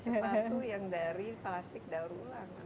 sepatu yang dari plastik daur ulang